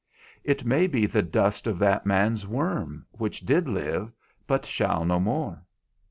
It may be the dust of that man's worm, which did live, but shall no more.